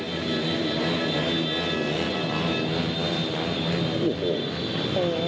โอ้โห